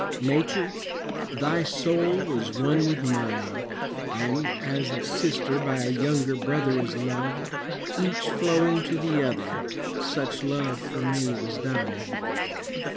Nature, thy soul was one with mine, And, as a sister by a younger brother Is loved, each flowing to the other, Such love for me was thine.